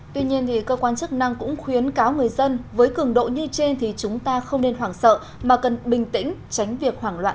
tuy nhiên cơ quan chức năng cũng khuyến cáo người dân với cường độ như trên thì chúng ta không nên hoảng sợ mà cần bình tĩnh tránh việc hoảng loạn